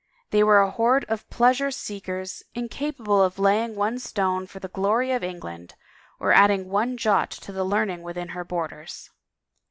They were a horde of pleasure seekers, incapable of laying one stone for the glory of England, or adding one jot to the learning within her borders.